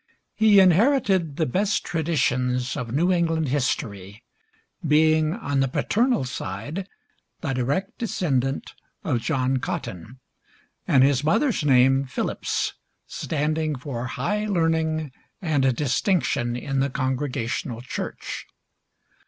He inherited the best traditions of New England history, being on the paternal side the direct descendant of John Cotton, and his mother's name, Phillips, standing for high learning and distinction in the Congregational church.